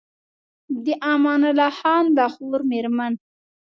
د امان الله خان د خور مېرمن